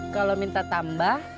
kalau minta tambah